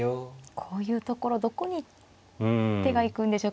こういうところどこに手が行くんでしょうかね。